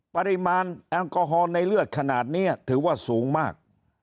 ปริมาณแอลกอฮอล์ในเลือดขนาดนี้ถือว่าสูงมาก